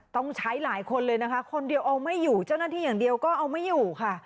ต้องใช้หลายคนเลยนะคะคนเดียวเอาไม่อยู่เจ้าหน้าที่อย่างเดียวก็เอาไม่อยู่ค่ะ